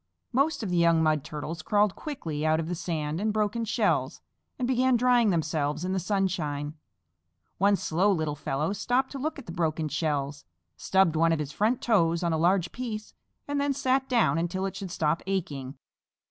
Most of the young Mud Turtles crawled quickly out of the sand and broken shells, and began drying themselves in the sunshine. One slow little fellow stopped to look at the broken shells, stubbed one of his front toes on a large piece and then sat down until it should stop aching.